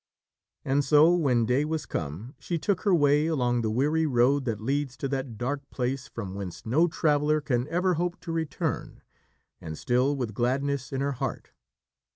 And so, when day was come, she took her way along the weary road that leads to that dark place from whence no traveller can ever hope to return, and still with gladness in her heart.